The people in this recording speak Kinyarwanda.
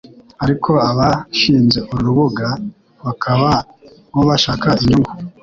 Ariko abashinze uru rubuga bakaba bo bashaka inyungu